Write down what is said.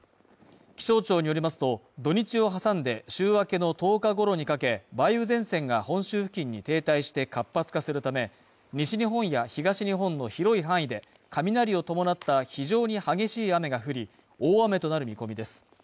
気象庁によりますと、土日を挟んで、週明けの１０日ごろにかけ、梅雨前線が本州付近に停滞して活発化するため西日本や東日本の広い範囲で雷を伴った非常に激しい雨が降り、大雨となる見込みです。